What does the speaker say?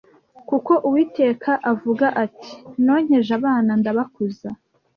kuko Uwiteka avuga ati Nonkeje abana ndabakuza